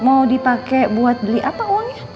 eh mau dipake buat beli apa oni